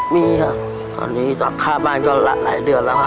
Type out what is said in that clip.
มีค่ะตอนนี้ค่าบ้านก็หลายเดือนแล้วค่ะ